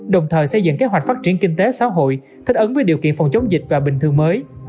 đồng thời xây dựng kế hoạch phát triển kinh tế xã hội thích ứng với điều kiện phòng chống dịch và bình thường mới